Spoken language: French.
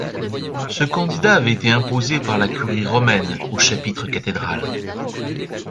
Ce candidat avait été imposé par la Curie romaine au chapitre cathédral.